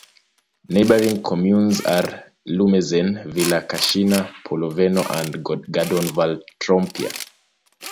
Neighbouring communes are Lumezzane, Villa Carcina, Polaveno and Gardone Val Trompia.